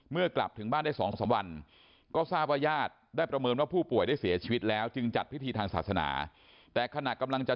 กลับถึงบ้านได้๒๓วันก็ทราบว่าญาติได้ประเมินว่าผู้ป่วยได้เสียชีวิตแล้วจึงจัดพิธีทางศาสนาแต่ขณะกำลังจะ